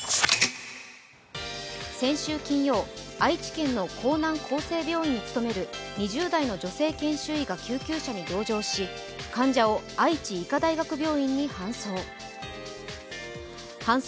先週金曜、愛知県の江南厚生病院に勤める２０代の女性研修医が救急車に同乗し患者を愛知医科大学病院に搬送。